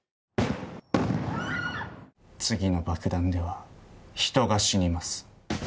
次の爆弾では人が死にます。